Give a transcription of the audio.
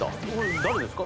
誰ですか？